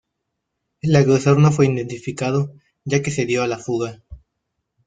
El agresor no fue identificado ya que se dio a la fuga.